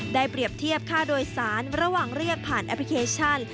เปรียบเทียบค่าโดยสารระหว่างเรียกผ่านแอปพลิเคชัน